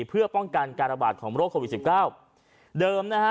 เพื่อป้องกันการระบาดของโรคโควิดสิบเก้าเดิมนะฮะ